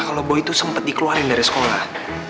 kalau boy itu sempat dikeluarkan dari sekolah